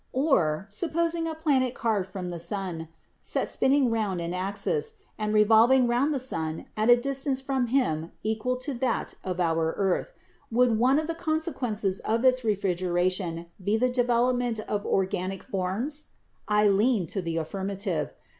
Or, supposing a planet carved from the sun, set spinning round an axis, and revolving round the sun at a distance from him equal to that of our earth, would one of the consequences of its refrigeration be the develop ment of organic forms? I lean to the affirmative.